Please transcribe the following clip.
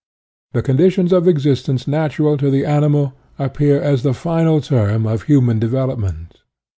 The conditions of existence natural to the animal appear as the final term of human develooment.